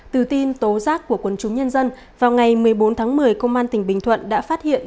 từ tin tố giác của quân chúng nhân dân vào ngày một mươi bốn tháng một mươi công an tỉnh bình thuận đã phát hiện